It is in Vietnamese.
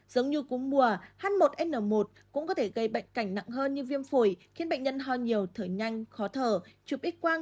giống như cúm mùa h một n một cũng có thể gây bệnh cảnh nặng hơn như viêm phổi khiến bệnh nhân ho nhiều thở nhanh khó thở chụp ít quang